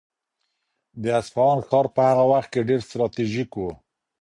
د اصفهان ښار په هغه وخت کې ډېر ستراتیژیک و.